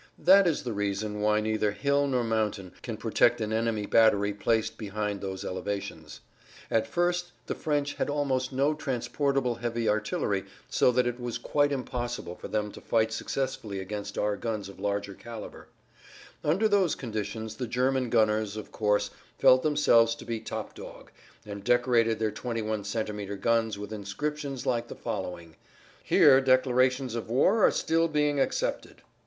That is the reason why neither hill nor mountain can protect an enemy battery placed behind those elevations. At first the French had almost no transportable heavy artillery so that it was quite impossible for them to fight successfully against our guns[Pg 28] of large caliber. Under those conditions the German gunners, of course, felt themselves to be top dog, and decorated their 21 centimeter guns with inscriptions like the following, "Here declarations of war are still being accepted."